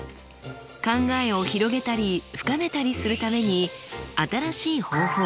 考えを広げたり深めたりするために新しい方法